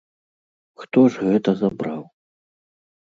Хто ж гэта забраў?